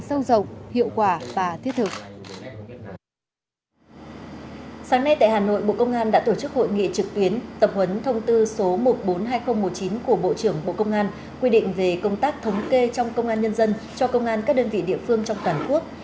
trong các hội nghị trực tuyến tập huấn thông tư số một trăm bốn mươi hai nghìn một mươi chín của bộ trưởng bộ công an quy định về công tác thống kê trong công an nhân dân cho công an các đơn vị địa phương trong toàn quốc